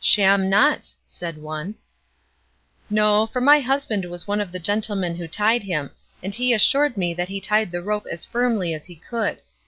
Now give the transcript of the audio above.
"Sham knots!" said one. "No, for my husband was one of the gentlemen who tied him, and he assured me that he tied the rope as firmly as he could.